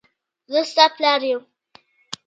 زه ستا پلار یم.